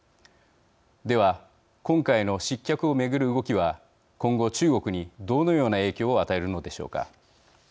では、今回の失脚を巡る動きは今後、中国にどのような影響を与えるのでしょうか。